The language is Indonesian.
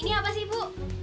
ini apa sih bu